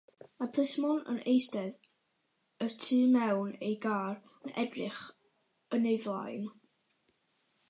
Mae plismon yn eistedd y tu mewn i'w gar yn edrych yn ei flaen.